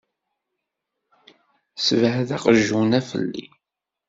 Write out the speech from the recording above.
Ssebɛed aqjun-a felli!